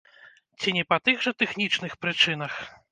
Ці не па тых жа тэхнічных прычынах?